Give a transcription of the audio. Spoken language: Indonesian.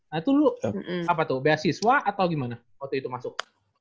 nah itu lu apa tuh beasiswa atau gimana waktu itu masuk